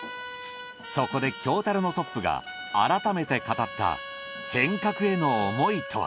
そこで京樽のトップが改めて語った変革への思いとは？